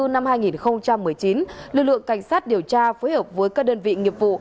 năm hai nghìn một mươi chín lực lượng cảnh sát điều tra phối hợp với các đơn vị nghiệp vụ